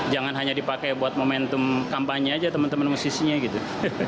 jangan hanya dipakai buat momentum kampanye aja teman teman musisinya gitu